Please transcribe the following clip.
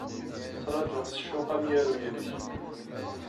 Ttṛajuɣ s ccuq amyaru yid-k.